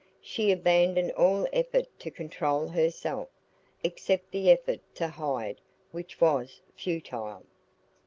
She abandoned all effort to control herself, except the effort to hide, which was futile.